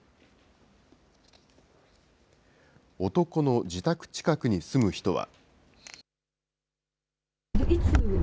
男の自宅近くに住む人は。